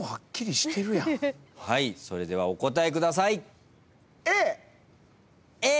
それではお答えください。